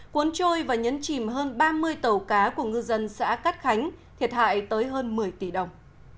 cuốn trôi và nhấn chìm hơn ba mươi tàu cá của ngư dân xã cát khánh thiệt hại tới hơn một mươi tỷ đồng